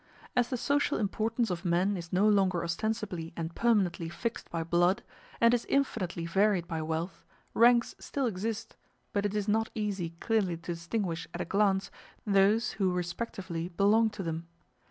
As the social importance of men is no longer ostensibly and permanently fixed by blood, and is infinitely varied by wealth, ranks still exist, but it is not easy clearly to distinguish at a glance those who respectively belong to them.